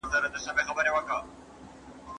که سند وي نو لیاقت نه پټیږي.